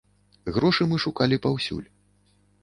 Грошы мы шукалі паўсюль.